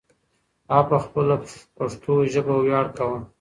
هغه په خپله پښتو ژبه ویاړ کاوه.